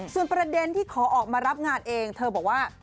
ส่วนประเด็นที่ขอออกมารับงานเองเธอบอกว่า